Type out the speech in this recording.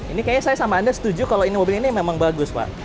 ini kayaknya saya sama anda setuju kalau ini mobil ini memang bagus pak